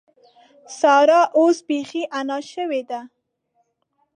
سارا اوس بېخي انا شوې ده.